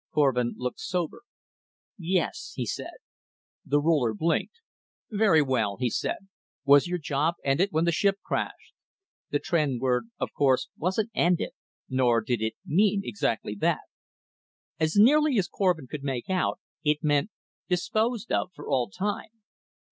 Korvin looked sober. "Yes," he said. The Ruler blinked. "Very well," he said. "Was your job ended when the ship crashed?" The Tr'en word, of course, wasn't ended, nor did it mean exactly that. As nearly as Korvin could make out, it meant "disposed of for all time."